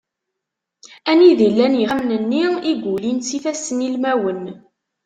Anida i llan yixxamen-nni i yulin s yifasssen ilmawen.